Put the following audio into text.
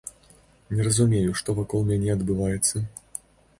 Не разумею, што вакол мяне адбываецца.